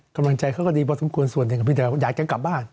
กำลังใจเขาก็ดีบอสมกวนส่วนอยากจะกลับบ้าน